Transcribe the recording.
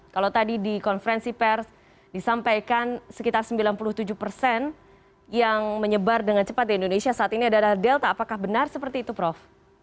kalau tadi di konferensi pers disampaikan sekitar sembilan puluh tujuh persen yang menyebar dengan cepat di indonesia saat ini adalah delta apakah benar seperti itu prof